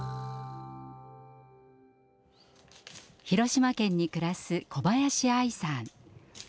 広島県に暮らす小林愛さん。